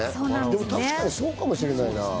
確かにそうかもしれないな。